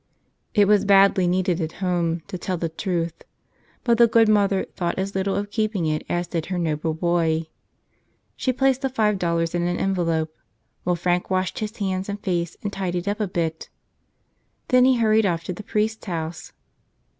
It was badly needed at home, to tell the truth ; but the good mother thought as little of keeping it as did her noble boy. She placed the five dollars in an envelope, while Frank washed hands and face and tidied up a bit. Then he hurried off to the priest's house.